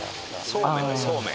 そうめんだそうめん。